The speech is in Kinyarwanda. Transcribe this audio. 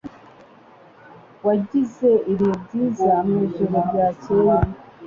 Wagize ibihe byiza mwijoro ryakeye?